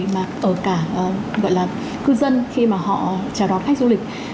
mà ở cả gọi là cư dân khi mà họ chào đón khách du lịch